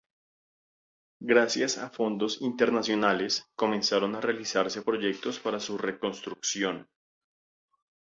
Gracias a fondos internacionales, comenzaron a realizarse proyectos para su reconstrucción.